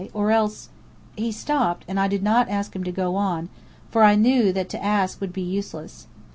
Or else " He stopped, and I did not ask him to go on, for I knew that to ask would be useless.